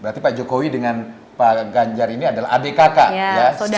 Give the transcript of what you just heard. berarti pak jokowi dengan pak ganjar pak jokowi dengan pak ganjar pak jokowi dengan pak jokowi